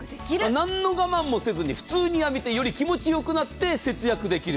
何の我慢もせずに、普通に浴びて、より気持ちよくなって節約できる。